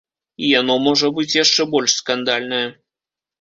І яно можа быць яшчэ больш скандальнае.